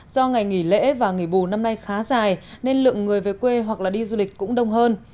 do ngày nghỉ lễ và nghỉ bù năm nay khá dài nên lượng người về quê hoặc đi du lịch cũng đông hơn